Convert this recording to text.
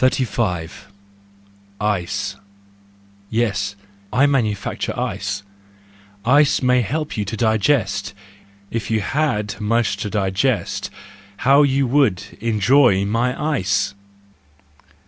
35 lce . Yes ! I manufacture ice : Ice may help you to digest: If you had much to digest, How you would enjoy my ice!